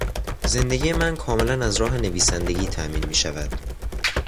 زندگی من کاملا از راه نویسندگی تامین میشود.